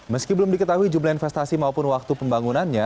meski belum diketahui jumlah investasi maupun waktu pembangunannya